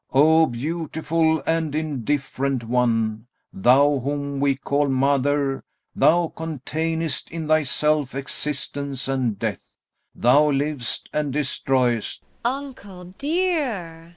Oh, beautiful and indifferent one, thou whom we call mother, thou containest in thyself existence and death, thou livest and destroyest.... VARYA. [Entreatingly] Uncle, dear!